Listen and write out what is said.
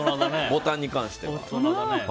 ボタンに関しては。